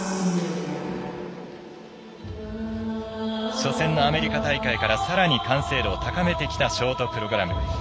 初戦のアメリカ大会からさらに完成度を高めてきたショートプログラム。